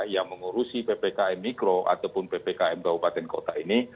yang mengurusi ppkm mikro ataupun ppkm kabupaten kota ini